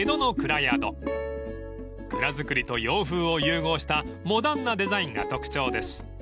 ［蔵造りと洋風を融合したモダンなデザインが特徴です］